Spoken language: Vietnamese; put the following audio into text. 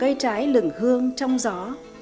cỏm cây trái lửng hương trong gió